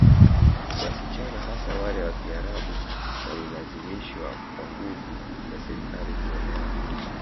Wasichana hasa wale wa Kiarabu walilazimishwa kwa nguvu ya Serikali kuolewa